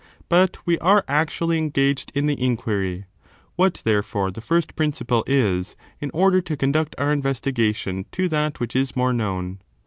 But we are actually engaged in the inquiry, what, therefore, the first principle is, in order to conduct our investigation to that which is more known.